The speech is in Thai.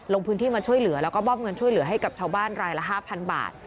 ลงพื้นที่มาช่วยเหลือแล้วก็มอบเงินช่วยเหลือให้กับชาวบ้านรายละ๕๐๐บาท